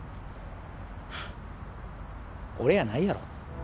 フッ俺やないやろ。